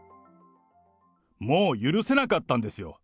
もう許せなかったんですよ。